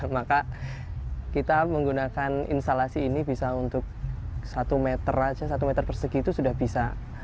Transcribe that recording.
maka kita menggunakan instalasi ini bisa untuk satu meter persegi itu sudah bisa